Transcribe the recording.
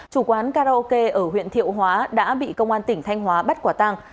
chủ quán karaoke ở huyện thiệu hóa đã bị công an tỉnh thanh hóa bắt quả tàng